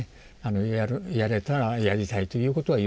やれたらやりたいということは言われましたね。